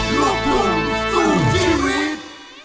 โลกโทรศูนย์ที่ริป